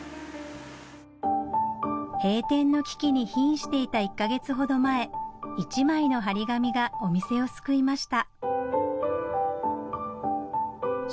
閉店の危機に瀕していた１か月ほど前１枚の張り紙がお店を救いました